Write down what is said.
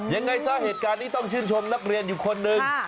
ยังไงซะเหตุการณ์นี้ต้องชื่นชมนักเรียนอยู่คนหนึ่ง